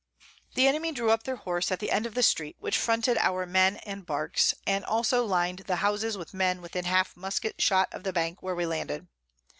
The Enemy drew up their Horse at the End of the Street which fronted our Men and Barks, and also lin'd the Houses with Men within half Musket shot of the Bank where we landed.